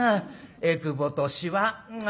えくぼとしわあ